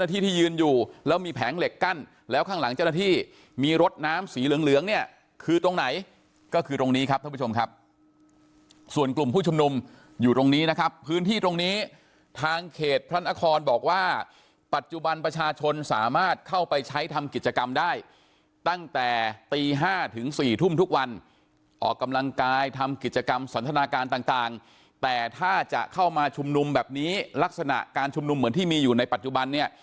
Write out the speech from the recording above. ที่ที่ยืนอยู่แล้วมีแผงเหล็กกั้นแล้วข้างหลังเจ้าหน้าที่มีรถน้ำสีเหลืองเหลืองเนี่ยคือตรงไหนก็คือตรงนี้ครับท่านผู้ชมครับส่วนกลุ่มผู้ชมนุมอยู่ตรงนี้นะครับพื้นที่ตรงนี้ทางเขตพระนครบอกว่าปัจจุบันประชาชนสามารถเข้าไปใช้ทำกิจกรรมได้ตั้งแต่ตี๕ถึง๔ทุ่มทุกวันออกกำลังกายทำกิจกรร